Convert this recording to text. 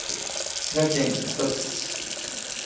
滋賀県草津市